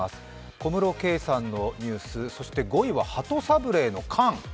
小室圭さんのニュース、そして５位は鳩サブレーの缶。